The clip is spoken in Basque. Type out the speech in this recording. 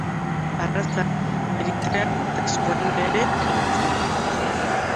Arraza Eritrean eta Sudanen ere hedatzen da.